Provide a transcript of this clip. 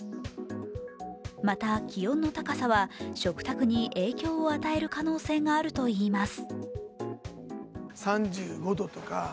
また気温の高さは食卓に影響を与える可能性があるといいます。